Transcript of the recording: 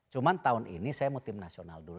cuma tahun ini saya mau tim nasional dulu